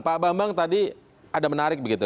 pak bambang tadi ada menarik begitu